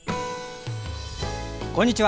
こんにちは。